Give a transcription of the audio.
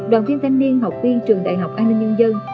đoàn viên thanh niên học viên trường đại học an ninh nhân dân